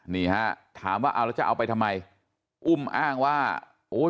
นี่ฮะถามว่าเอาแล้วจะเอาไปทำไมอุ้มอ้างว่าโอ้ย